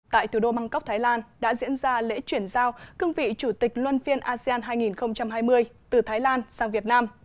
tại thủ đô bangkok thái lan đã diễn ra lễ chuyển giao cương vị chủ tịch luân phiên asean hai nghìn hai mươi từ thái lan sang việt nam